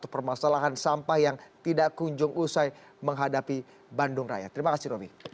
persoalan ini budi